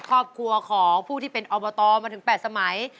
ครอบครัวของผู้ที่เป็นอบตมาถึง๘สมัย